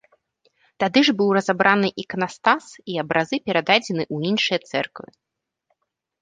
Тады ж быў разабраны іканастас і абразы перададзены ў іншыя цэрквы.